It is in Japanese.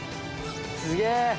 すげえ。